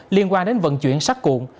liên quan đến vận chuyển sắt cuộn